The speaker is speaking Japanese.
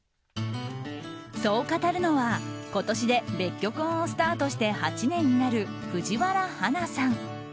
そう語るのは、今年で別居婚をスタートして８年になる藤原華さん。